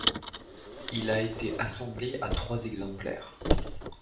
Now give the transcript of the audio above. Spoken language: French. Il a été assemblé à trois exemplaires.